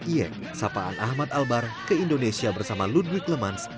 iya sapaan ahmad albar ke indonesia bersama ludwig lemans